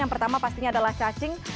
yang pertama pastinya adalah cacing